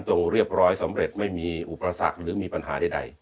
เรียบร้อยสำเร็จไม่มีอุปสรรคหรือมีปัญหาใด